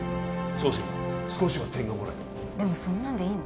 そうすれば少しは点がもらえるでもそんなんでいいの？